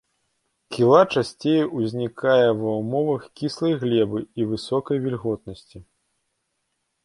Кіла часцей узнікае ва ўмовах кіслай глебы і высокай вільготнасці.